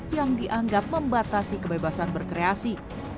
yang dianggap membatasi kebebasan berkreasi